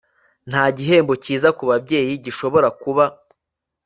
nta gihembo cyiza kubabyeyi gishobora kuba